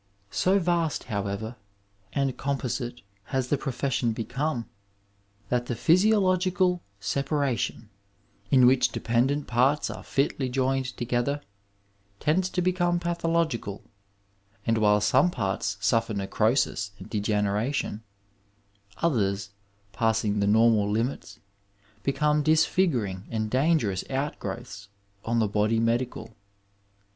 So vast, however, and composite has the profession become, that the physiological separation, in which de pendent parts are fitly joined together, tends to become pathological, and while some parts snfiEer necrosis and degeneration, others, passing the normal limits, become disfiguring and dangerous outgrowths on the body medical.